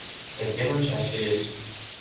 — Терген ончаш лиеш.